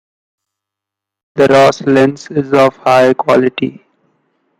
The Ross lens is of high quality.